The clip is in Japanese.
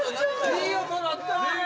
いい音鳴ったね。